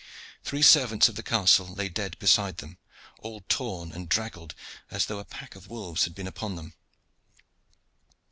Three servants of the castle lay dead beside them, all torn and draggled, as though a pack of wolves had been upon them.